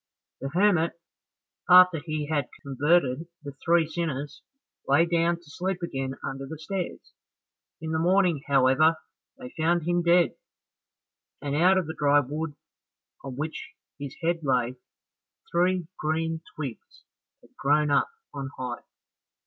The hermit, after he had converted the three sinners, lay down to sleep again under the stairs. In the morning, however, they found him dead, and out of the dry wood on which his head lay, three green twigs had grown up on high.